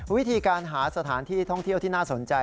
วิธีการหาสถานที่ท่องเที่ยวที่น่าสนใจ